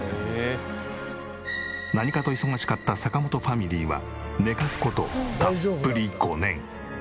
何かと忙しかった坂本ファミリーは寝かす事たっぷり５年。